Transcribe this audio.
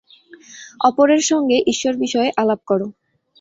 অপরের সঙ্গে ঈশ্বর-বিষয়ে আলাপ কর।